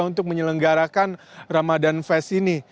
untuk menyelenggarakan ramadan fest ini